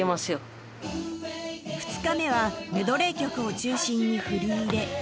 ２日目はメドレー曲を中心に振り入れ